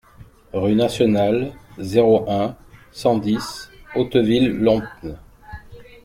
Rue Nationale, zéro un, cent dix Hauteville-Lompnes